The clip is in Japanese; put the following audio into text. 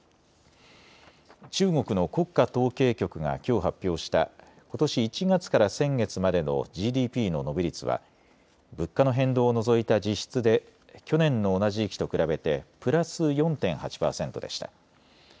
中国の国家統計局がきょう発表したことし１月から先月までのＧＤＰの伸び率は物価の変動を除いた実質で去年の同じ時期と比べてプラス４．８％でした。